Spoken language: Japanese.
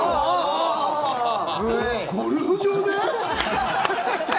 ゴルフ場で？